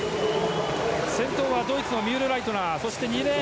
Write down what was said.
先頭はドイツのミュールライトナー。